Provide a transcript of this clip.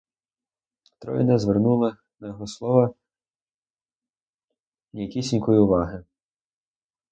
Троє не звернули на його слова ніякісінької уваги.